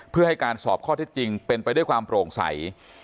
เพื่อให้การสอบข้อเท็จจริงเป็นไปด้วยความโปร่งใส